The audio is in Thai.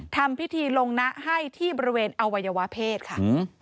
ทำพิธีลงนะให้ที่บริเวณอวัยวะเพศค่ะ